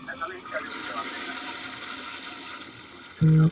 ما د حیاء پردو کي پټي غوښتې!